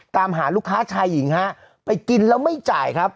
ตามหาลูกค้าชายหญิงฮะไปกินแล้วไม่จ่ายครับ